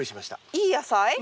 いい野菜。